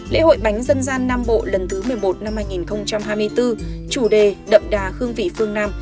lễ hội bánh dân gian nam bộ lần thứ một mươi một năm hai nghìn hai mươi bốn chủ đề đậm đà hương vị phương nam